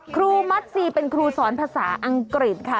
มัสซีเป็นครูสอนภาษาอังกฤษค่ะ